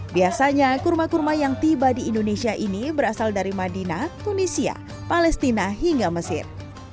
biasanya kurma kurma yang tiba di indonesia ini berasal dari madinah tunisia palestina hingga mesir